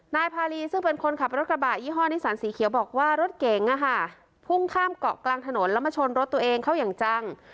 นายพารีซึ่งเป็นคนขับรถกระบะยี่ห้อนิสันสีเขียวบอกว่ารถเก๋งพุ่งข้ามเกาะกลางถนนแล้วมาชนรถตัวเองเข้าอย่างจัง